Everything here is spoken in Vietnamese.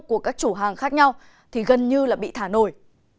của các chủ hàng khác nhau thì gần như là bị thả nổi